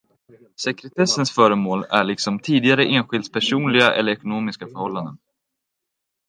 Sekretessens föremål är liksom tidigare enskilds personliga eller ekonomiska förhållanden.